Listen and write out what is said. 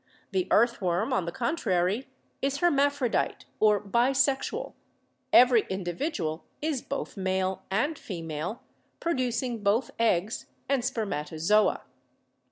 The earthworm, on the contrary, is hermaphrodite or bisexual; every individual is both male and female, producing both eggs and spermatozoa.